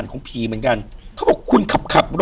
อยู่ที่แม่ศรีวิรัยิลครับ